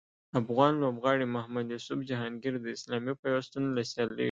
افغان لوبغاړي محمد یوسف جهانګیر د اسلامي پیوستون له سیالیو